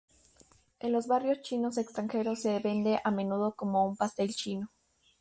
En los barrios chinos extranjeros se vende a menudo como un pastel chino.